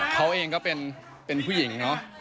เขาเองก็เป็นผู้หญิงเนอะ